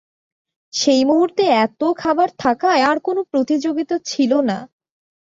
সেই মুহূর্তে এত খাবার থাকায় আর কোনো প্রতিযোগিতা ছিল না।